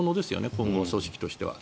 今後の組織としては。